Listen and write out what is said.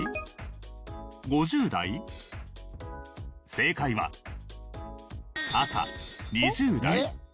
正解は赤２０代。